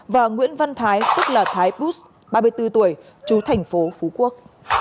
và nguyễn văn thái tức là thái bút ba mươi bốn tuổi chú thành phố phú quốc